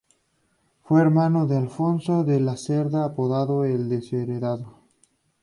Fue hermano de Alfonso de la Cerda, apodado "el Desheredado".